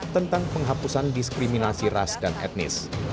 tentang penghapusan diskriminasi ras dan etnis